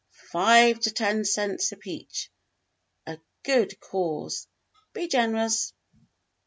5 to 10 cents a peach. A good caws. Be Gennerous.